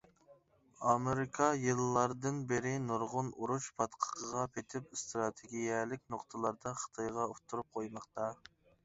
ئامېرىكا يىللاردىن بىرى نۇرغۇن ئۇرۇش پاتقىقىغا پېتىپ ئىستراتېگىيەلىك نۇقتىلاردا خىتايغا ئۇتتۇرۇپ قويماقتا.